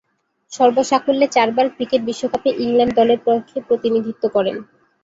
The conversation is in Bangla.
সর্বসাকুল্যে চারবার ক্রিকেট বিশ্বকাপে ইংল্যান্ড দলের পক্ষে প্রতিনিধিত্ব করেন।